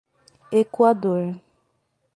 Equador